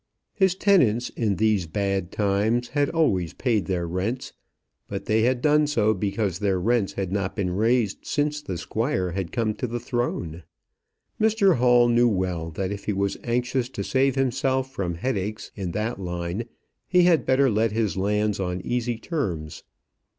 His tenants in these bad times had always paid their rents, but they had done so because their rents had not been raised since the squire had come to the throne. Mr Hall knew well that if he was anxious to save himself from headaches in that line, he had better let his lands on easy terms.